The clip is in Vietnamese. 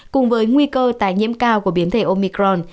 cùng với nguy cơ tái nhiễm cao của biến thể omicron